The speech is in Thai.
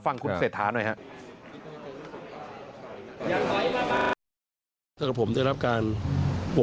ฟังคุณเศรษฐาหน่อยครับ